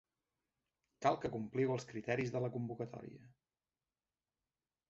Cal que compliu els criteris de la convocatòria.